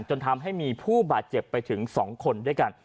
จนทำให้มีผู้บาดเจ็บไปถึง๒คนด้วยกัน